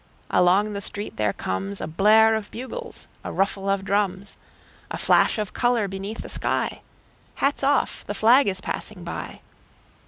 Along the street there comesA blare of bugles, a ruffle of drums,A flash of color beneath the sky:Hats off! The flag is passing by!